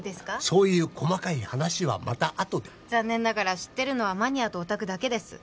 そういう細かい話はまたあとで残念ながら知ってるのはマニアとオタクだけです